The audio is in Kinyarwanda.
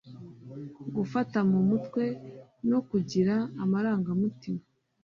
gufata mu mutwe no kugira amarangamutima